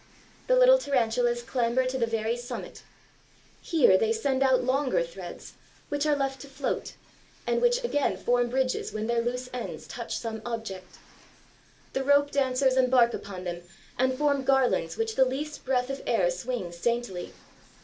The little Tarantulas clamber to the very summit. Here they send out longer threads, which are left to float, and which again form bridges when their loose ends touch some object. The rope dancers embark upon them and form garlands which the least breath of air swings daintily.